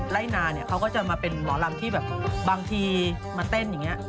ไล่นาเนี่ยเขาก็จะมาเป็นหมอลำที่แบบบางทีมาเต้นอย่างนี้